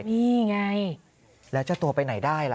นี่ไงแล้วเจ้าตัวไปไหนได้ล่ะ